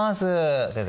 先生